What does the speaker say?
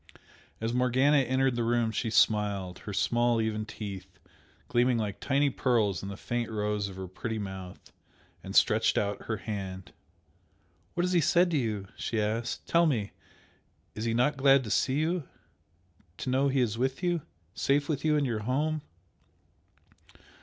As Morgana entered the room she smiled, her small even teeth gleaming like tiny pearls in the faint rose of her pretty mouth, and stretched out her hand. "What has he said to you?" she asked "Tell me! Is he not glad to see you? to know he is with you? safe with you in your home?"